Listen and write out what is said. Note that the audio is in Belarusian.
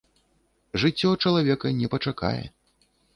Жыццё чалавека не пачакае.